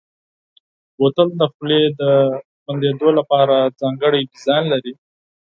بوتل د خولې د بندېدو لپاره ځانګړی ډیزاین لري.